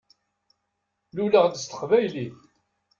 Luleɣ-d s teqbaylit.